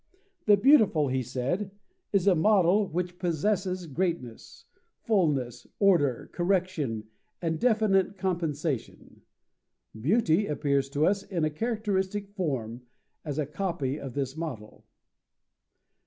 The beautiful, he said, is a model which possesses greatness, fulness, order, correction, and definite compensation. Beauty appears to us in a characteristic form, as a copy of this model.